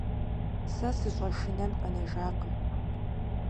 Сэ сыщӏэшынэн къэнэжакъым.